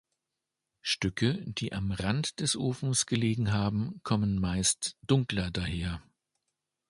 Stücke, die am Rand des Ofens gelegen haben, kommen meist dunkler daher.